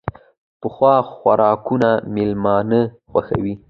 پخو خوراکونو مېلمانه خوښوي